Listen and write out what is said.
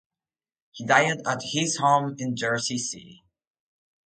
He died at his home in Jersey City.